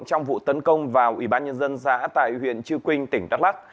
trong vụ tấn công vào ủy ban nhân dân xã tại huyện chư quynh tỉnh đắk lắc